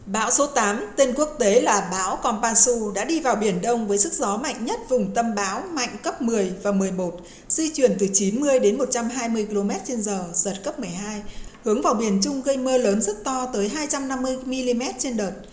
bão số tám tên quốc tế là bão konpansu đã đi vào biển đông với sức gió mạnh nhất vùng tâm báo mạnh cấp một mươi và một mươi một di chuyển từ chín mươi đến một trăm hai mươi km trên giờ giật cấp một mươi hai hướng vào biển trung gây mưa lớn rất to tới hai trăm năm mươi mm trên đợt